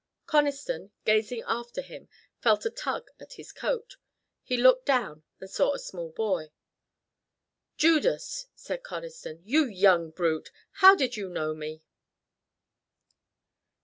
Conniston, gazing after him, felt a tug at his coat. He looked down, and saw a small boy. "Judas," said Conniston, "you young brute! How did you know me?"